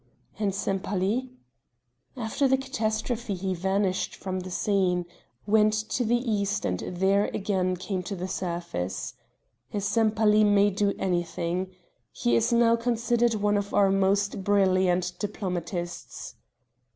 And Sempaly? After the catastrophe he vanished from the scene went to the East, and there again came to the surface. A Sempaly may do anything. He is now considered one of our most brilliant diplomatists.